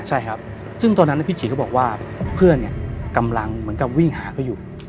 ใช่ครับซึ่งตอนนั้นพี่ฉีดก็บอกว่าเพื่อนกำลังเหมือนกับวิ่งหาเขาอยู่